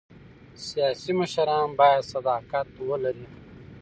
سیاسي مشران باید صداقت ولري